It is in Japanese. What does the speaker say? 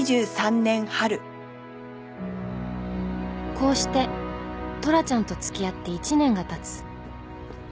こうしてトラちゃんと付き合って１年が経つ